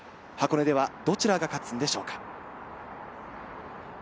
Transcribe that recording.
箱根ではどちらが勝つんでしょうか？